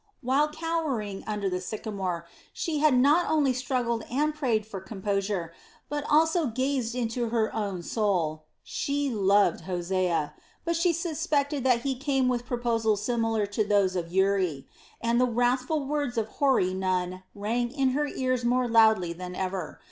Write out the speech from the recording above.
While cowering under the sycamore, she had not only struggled and prayed for composure, but also gazed into her own soul. She loved Hosea, but she suspected that he came with proposals similar to those of Uri, and the wrathful words of hoary Nun rang in her ears more loudly than ever.